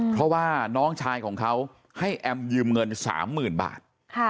เพราะว่าน้องชายของเขาให้แอมยืมเงิน๓๐๐๐บาท